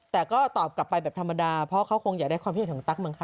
แต่ก็ตอบกลับไปแบบธรรมดาเพราะเขาคงอยากได้ความคิดเห็นของตั๊กมั้